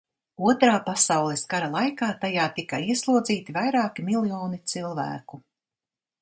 Otrā pasaules kara laikā tajā tika ieslodzīti vairāki miljoni cilvēku.